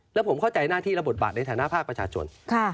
แล้วผมเข้าใจหน้าที่และบทบาทในฐานะภาคประชาชน